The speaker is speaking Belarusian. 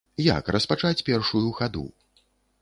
Як распачаць першую хаду?